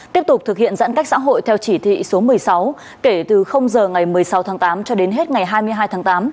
tiếp tục thực hiện giãn cách xã hội theo chỉ thị số một mươi sáu kể từ giờ ngày một mươi sáu tháng tám cho đến hết ngày hai mươi hai tháng tám